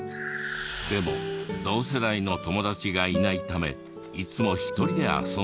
でも同世代の友達がいないためいつも１人で遊んでいた。